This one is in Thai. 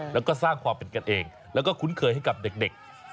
แล้วก็สร้างความเป็นกันเองแล้วก็คุ้นเคยให้กับเด็ก